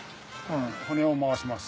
骨を回します。